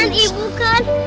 ini beneran ibu kan